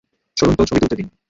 সরুন তো ছবি তুলতে দিন।